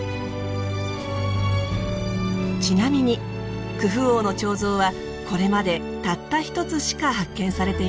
ちなみにクフ王の彫像はこれまでたった一つしか発見されていません。